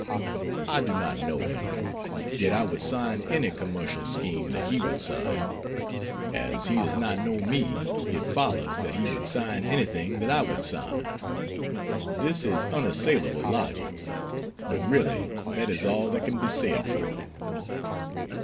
I do not know him, yet I would sign any commercial scheme that he would sign. As he does not know me, it follows that he would sign anything that I would sign. This is unassailable logic but really that is all that can be said for it.)